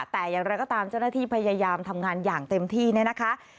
แต่อย่างไรก็ตามเจ้าหน้าที่พยายามทำงานอย่างเต็มที่เนี่ยนะคะ